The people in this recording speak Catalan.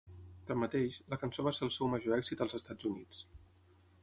Tanmateix, la cançó va ser el seu major èxit als Estats Units.